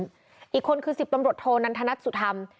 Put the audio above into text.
ลงกับพื้นอีกคนคือสิบตำรวจโทนันทนัดสุธรรม